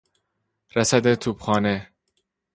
رسد توپخانه